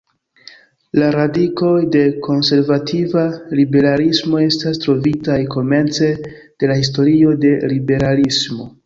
La radikoj de konservativa liberalismo estas trovitaj komence de la historio de liberalismo.